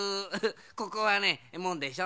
ここはねもんでしょ